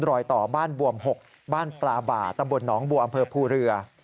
รอยต่อบ้านบวม๖บ้านปลาบ่าตำบลหนองบัวอำเภอภูเรือ